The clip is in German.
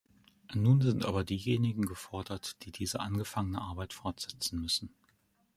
Nun sind aber diejenigen gefordert, die diese angefangene Arbeit fortsetzen müssen.